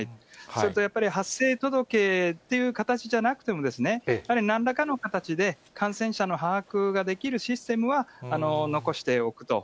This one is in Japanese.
それとやっぱり、発生届っていう形じゃなくても、なんらかの形で感染者の把握ができるシステムは残しておくと。